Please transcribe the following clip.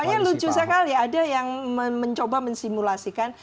makanya lucu sekali ada yang mencoba mensimulasikan